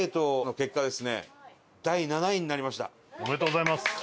おめでとうございます。